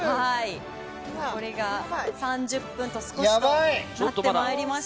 残り３０分と少しとなってまいりました。